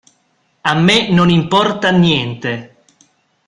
A me non importa niente.